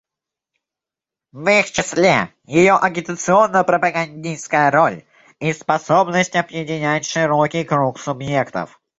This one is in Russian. В их числе ее агитационно-пропагандистская роль и способность объединять широкий круг субъектов.